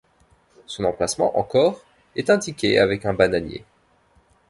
Son emplacement encore est indiquée avec un bananier.